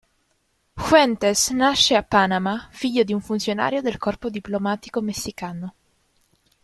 Fuentes nasce a Panama, figlio di un funzionario del corpo diplomatico messicano.